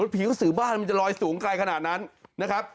ผีกระสือบ้านมันจะลอยสูงไกลขนาดนั้นนะครับ